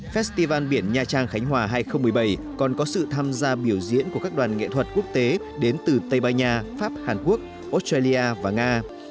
festival biển nha trang khánh hòa hai nghìn một mươi bảy còn có sự tham gia biểu diễn của các đoàn nghệ thuật quốc tế đến từ tây ban nha pháp hàn quốc australia và nga